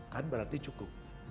kan berarti cukup